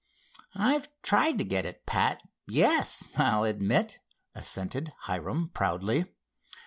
"I've tried to get it pat, yes, I'll admit," assented Hiram proudly.